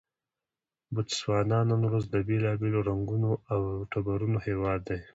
بوتسوانا نن ورځ د بېلابېلو رنګونو او ټبرونو هېواد دی.